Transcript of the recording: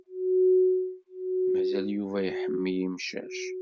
Mazal Yuba iḥemmel imcac?